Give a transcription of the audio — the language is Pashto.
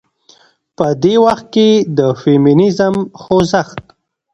په دې وخت کې د فيمينزم خوځښت